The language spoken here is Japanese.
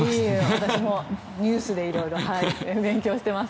私もニュースで色々、勉強しています。